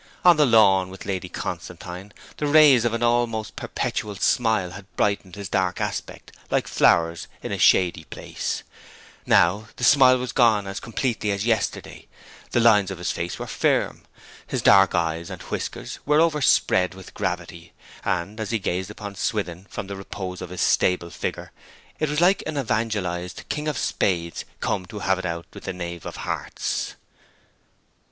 On the lawn with Lady Constantine the rays of an almost perpetual smile had brightened his dark aspect like flowers in a shady place: now the smile was gone as completely as yesterday; the lines of his face were firm; his dark eyes and whiskers were overspread with gravity; and, as he gazed upon Swithin from the repose of his stable figure it was like an evangelized King of Spades come to have it out with the Knave of Hearts.